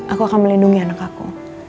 aku akan melindungi anak aku